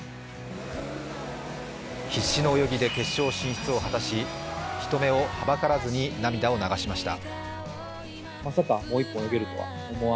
必死の泳ぎで決勝進出を果たし人目をはばからずに涙を流しました。